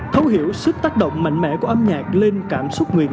thấu hiểu sức tác động mạnh mẽ của âm nhạc lên cảm xúc người nga